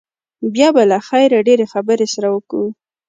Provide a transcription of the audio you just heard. بيا به له خيره ډېرې خبرې سره وکو.